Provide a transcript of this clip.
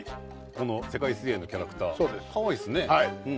この世界水泳のキャラクターかわいいですね。